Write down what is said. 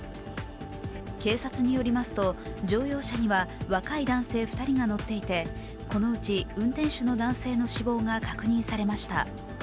警察によりますと、乗用車には若い男性２人が乗っていて、このうち、運転手の男性の死亡が確認されました。